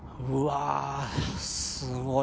すごい。